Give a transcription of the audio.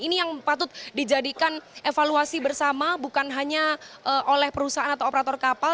ini yang patut dijadikan evaluasi bersama bukan hanya oleh perusahaan atau operator kapal